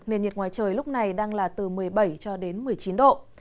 nền nhiệt ngoài trời lúc này đang là từ một mươi bảy cho đến một mươi chín độ